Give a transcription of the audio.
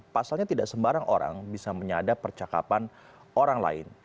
pasalnya tidak sembarang orang bisa menyadap percakapan orang lain